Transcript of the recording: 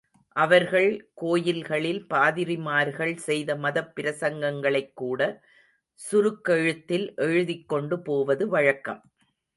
அவர்கள் கோயில்களில் பாதிரிமார்கள் செய்த மதப் பிரசங்கங்களைக்கூட சுருக்கெழுத்தில் எழுதிக்கொண்டு போவது வழக்கம்.